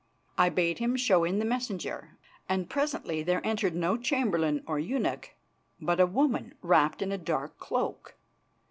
I bade him show in the messenger, and presently there entered no chamberlain or eunuch, but a woman wrapped in a dark cloak.